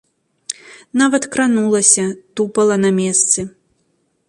Нават кранулася, тупала на месцы.